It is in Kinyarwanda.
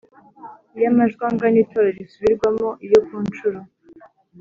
Iyo amajwi angana itora risubirwamo Iyo ku nshuro